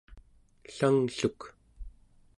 ellanglluk